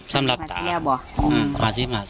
๕๐๕๐สำหรับตา